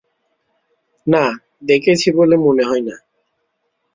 না, দেখেছি বলে মনে হয় না।